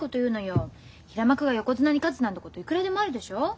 平幕が横綱に勝つなんてこといくらでもあるでしょう？